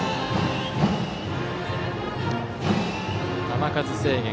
球数制限